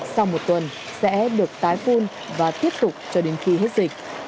sau một tuần sẽ được tái phun và tiếp tục cho đến khi hết dịch